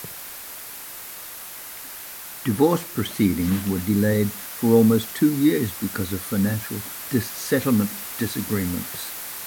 Divorce proceedings were delayed for almost two years because of financial settlement disagreements.